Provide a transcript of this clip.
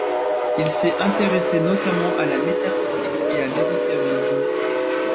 Il s'est intéressé notamment à la métaphysique et à l'ésotérisme.